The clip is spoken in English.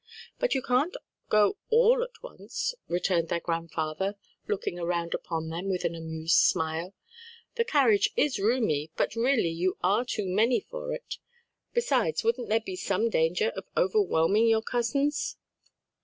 "But you can't go all at once," returned their grandfather, looking around upon them with an amused smile; "the carriage is roomy, but really you are too many for it. Besides wouldn't there be some danger of overwhelming your cousins?"